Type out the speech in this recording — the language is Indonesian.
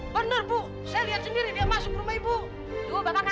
malik malik ada malik